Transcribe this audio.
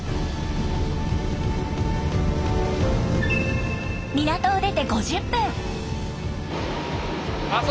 港を出て５０分。